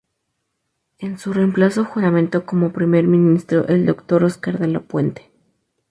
En su reemplazo juramentó como Primer Ministro el doctor Óscar de la Puente.